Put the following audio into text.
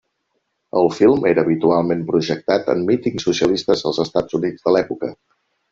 El film era habitualment projectat en mítings socialistes als Estats Units de l'època.